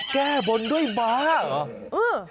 แก้บนด้วยม้าเหรอ